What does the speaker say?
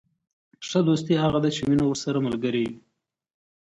ښه دوستي هغه ده، چي مینه ورسره ملګرې يي.